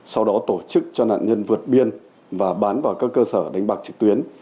sau đó tổ chức cho nạn nhân vượt biên và bán vào các cơ sở đánh bạc trực tuyến